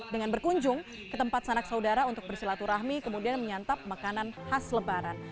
dengan berkunjung ke tempat sanak saudara untuk bersilaturahmi kemudian menyantap makanan khas lebaran